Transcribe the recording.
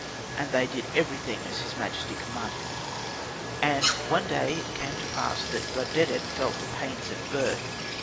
And they did everything as his majesty commanded. And one day it came to pass that Rud didet felt the pains of birth.